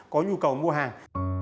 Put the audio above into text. có nhu cầu mua hàng